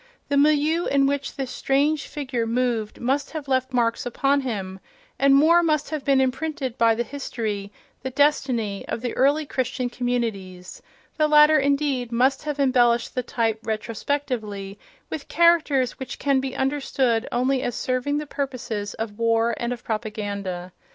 The milieu in which this strange figure moved must have left marks upon him, and more must have been imprinted by the history, the destiny, of the early Christian communities; the latter indeed, must have embellished the type retrospectively with characters which can be understood only as serving the purposes of war and of propaganda.